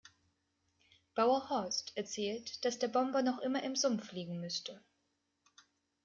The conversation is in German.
Bauer Horst erzählt, dass der Bomber noch immer im Sumpf liegen müsste.